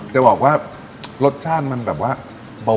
จะบอกว่ารสชาติมันแบบว่าเบา